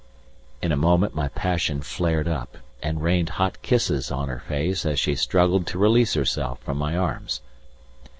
In a moment my passion flared up, and rained hot kisses on her face as she struggled to release herself from my arms.